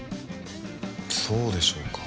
そうでしょうか？